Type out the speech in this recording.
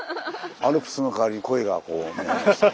アルプスの代わりにコイがこうね。